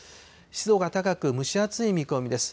湿度が高く蒸し暑い見込みです。